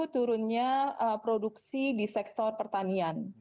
turunnya produksi di sektor pertanian